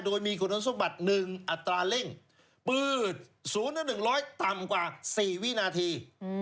โดยมีคุณสมบัติ๑อัตราเร่งปืน๐๑๐๐ต่ำกว่า๔วินาที